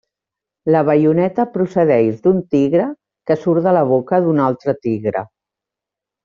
La baioneta procedeix d'un tigre que surt de la boca d'un altre tigre.